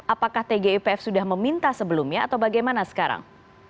apakah tgipf sudah meminta sebelumnya atau bagaimana sekarang